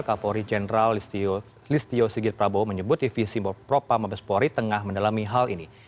kapolri jenderal listio sigit prabowo menyebut tv simbol propa mabespori tengah mendalami hal ini